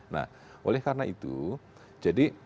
nah oleh karena itu jadi